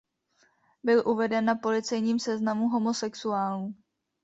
Byl uveden na policejním seznamu homosexuálů.